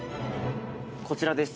こちらです。